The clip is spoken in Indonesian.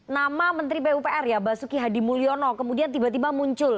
nama menteri pupr ya basuki hadi mulyono kemudian tiba tiba muncul